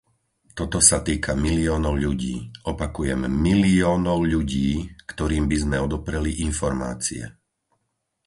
Toto sa týka miliónov ľudí, opakujem miliónov ľudí, ktorým by sme odopreli informácie.